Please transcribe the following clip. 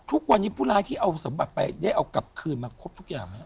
ทุกวันนี้ผู้หลายที่เอาสมบัติไปเอากลับขึ้นมาครบทุกอย่างค่ะ